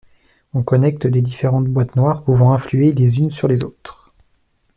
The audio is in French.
On connecte les différentes boîtes noires pouvant influer les unes sur les autres.